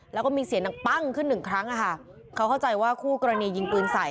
แล้วก็มีเสียงดังปั้งขึ้นหนึ่งครั้งอะค่ะเขาเข้าใจว่าคู่กรณียิงปืนใส่